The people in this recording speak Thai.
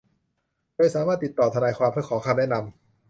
โดยสามารถติดต่อทนายความเพื่อขอคำแนะนำ